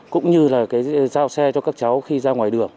cũng như là cái giao xe cho các cháu khi ra ngoài đường